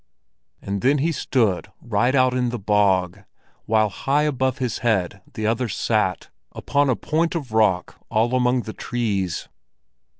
And there he stood right out in the bog, while high up above his head the others sat, upon a point of rock all among the trees.